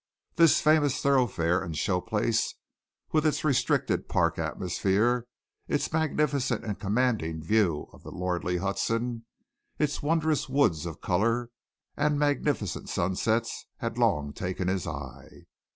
This famous thoroughfare and show place with its restricted park atmosphere, its magnificent and commanding view of the lordly Hudson, its wondrous woods of color and magnificent sunsets had long taken his eye.